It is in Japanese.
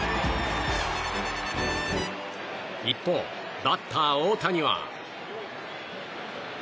一方、バッター大谷は。